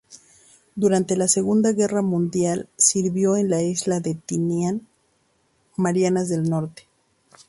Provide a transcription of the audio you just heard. Durante la Segunda Guerra Mundial, sirvió en la isla de Tinian, Marianas del Norte.